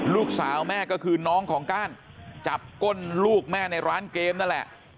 ลูกสาวแม่ก็คือน้องของก้านจับก้นลูกแม่ในร้านเกมนั่นแหละ